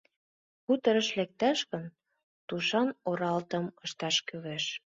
Хуторыш лекташ гын, тушан оралтым ышташ кӱлеш.